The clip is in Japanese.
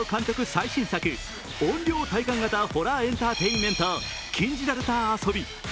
最新作怨霊体感型ホラーエンターテインメント「禁じられた遊び」。